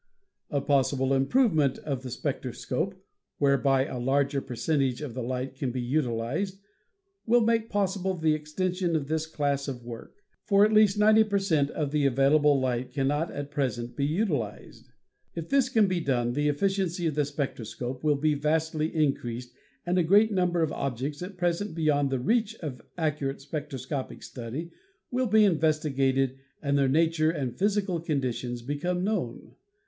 A possible improvement of the spectro scope, whereby a larger percentage of the light can be utilized, will make possible the extension of this class of work, for at least 90 per cent, of the available light cannot at present be utilized. If this can be done, the efficiency of the spectroscope will be vastly increased and a great number of objects at present beyond the reach of accurate spectroscopic study will be investigated and their nature xii INTRODUCTION and physical conditions become known.